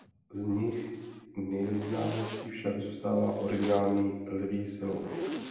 Z nich nejznámější však zůstává originální „Lví silou“.